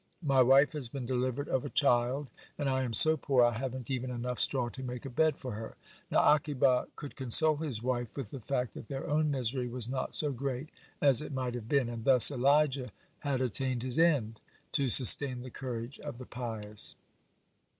My wife has been delivered of a child, and I am so poor I haven't even enough straw to make a bed for her." Now Abika could console his wife with the fact that their own misery was not so great as it might have been, and thus Elijah had attained his end, to sustain the courage of the pious.